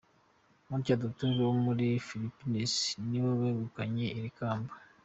Mutya Datul wo muri Philippines ni we wegukanye iri kamba.